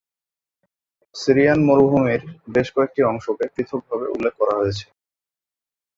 Syrian মরুভূমির বেশ কয়েকটি অংশকে পৃথকভাবে উল্লেখ করা হয়েছে।